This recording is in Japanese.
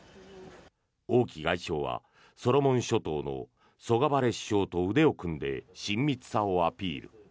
王毅外相はソロモン諸島のソガバレ首相と腕を組んで親密さをアピール。